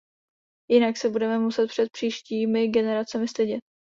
Jinak se budeme muset před příštími generacemi stydět.